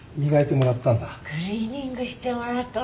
クリーニングしてもらったの。